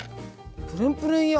プルンプルンよ。